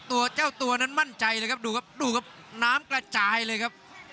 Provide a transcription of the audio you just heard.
ตัวเจ้าตัวนั้นมั่นใจเลยครับดูครับดูครับน้ำกระจายเลยครับ